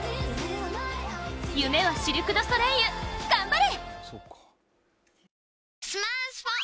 夢はシルク・ドゥ・ソレイユ頑張れ！